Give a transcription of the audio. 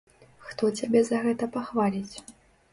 Хто цябе за гэта пахваліць?